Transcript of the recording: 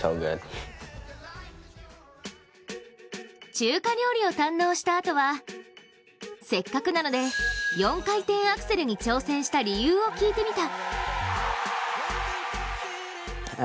中華料理を堪能したあとはせっかくなので４回転アクセルに挑戦した理由を聞いてみた。